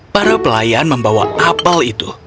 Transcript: para pelayan membawa apel itu